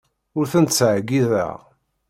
Ur ten-ttṣeyyideɣ.